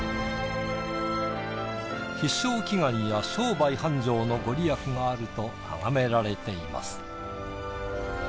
必勝祈願や商売繁盛のご利益があると崇められています。